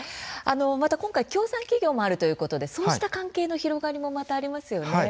また今回、協賛企業もあるということでそうした関係の広がりもまたありますよね。